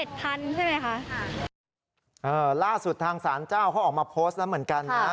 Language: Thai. ล่าสุดทางสารเจ้าเขาออกมาโพสต์แล้วเหมือนกันนะ